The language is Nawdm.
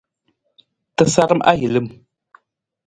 Tasaram ahilim.